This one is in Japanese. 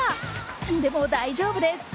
でも大丈夫です。